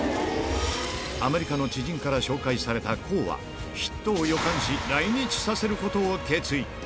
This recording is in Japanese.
アメリカの知人から紹介された康は、ヒットを予感し、来日させることを決意。